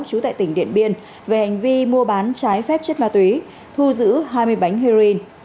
trú tại tỉnh điện biên về hành vi mua bán trái phép chất ma túy thu giữ hai mươi bánh heroin